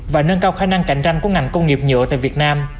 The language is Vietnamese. và nâng cao khả năng cạnh tranh của ngành công nghiệp nhựa tại việt nam